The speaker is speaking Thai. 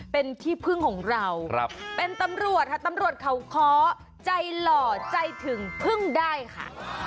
เป็นที่พึ่งของเราเป็นตำรวจค่ะตำรวจเขาค้อใจหล่อใจถึงพึ่งได้ค่ะ